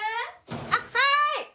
あっはい！